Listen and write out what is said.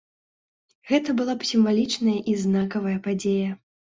Гэта была б сімвалічная і знакавая падзея.